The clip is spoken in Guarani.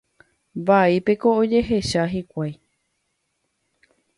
Vaípeko ojehecha hikuái.